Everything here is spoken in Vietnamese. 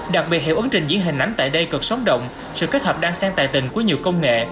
đặc biệt hiệu ứng trình diễn hình ảnh tại đây cực sóng động sự kết hợp đan sen tài tình của nhiều công nghệ